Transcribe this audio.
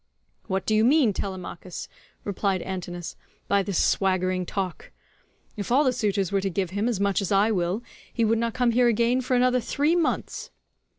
"What do you mean, Telemachus," replied Antinous, "by this swaggering talk? If all the suitors were to give him as much as I will, he would not come here again for another three months."